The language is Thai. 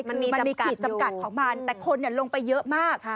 คือมันมีขีดจำกัดของมันแต่คนลงไปเยอะมาก